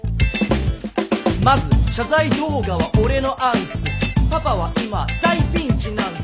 まず謝罪動画は俺の案ッスパパは今大ピンチなんッス